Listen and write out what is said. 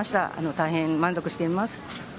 大変、満足しています。